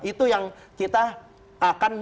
itu yang kita akan